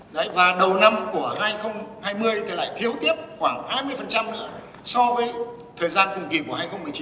đấy và đầu năm của hai nghìn hai mươi thì lại thiếu tiếp khoảng hai mươi nữa so với thời gian cùng kỳ của hai nghìn một mươi chín